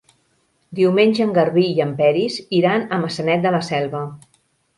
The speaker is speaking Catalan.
Diumenge en Garbí i en Peris iran a Maçanet de la Selva.